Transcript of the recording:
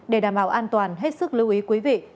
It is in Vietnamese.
để đảm bảo an toàn hết sức lưu ý quý vị